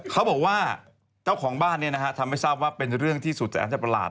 เขาบอกว่าเจ้าของบ้านทำให้ทราบว่าเป็นเรื่องที่สุดแต่อาจจะประหลาด